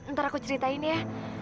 ntar aku ceritain ya